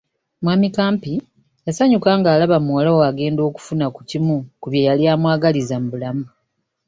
Mwami Kampi yasanyuka ng’alaba muwala we agenda okufuna ku kimu ku bye yali amwagaliza mu bulamu.